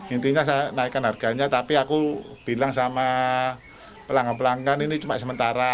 intinya saya naikkan harganya tapi aku bilang sama pelanggan pelanggan ini cuma sementara